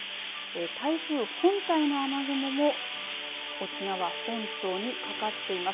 台風本体の雨雲も沖縄本島にかかっています。